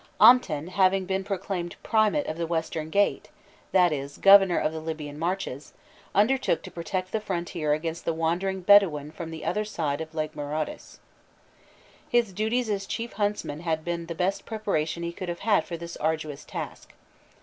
Amten having been proclaimed "Primate of the Western Gate," that is, governor of the Libyan marches, undertook to protect the frontier against the wandering Bedouin from the other side of Lake Mareotis. His duties as Chief Huntsman had been the best preparation he could have had for this arduous task.